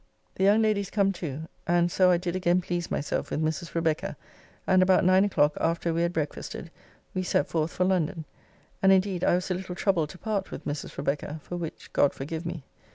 The young ladies come too, and so I did again please myself with Mrs. Rebecca, and about 9 o'clock, after we had breakfasted, we sett forth for London, and indeed I was a little troubled to part with Mrs. Rebecca, for which God forgive me.